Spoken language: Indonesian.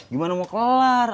gimana mau kelar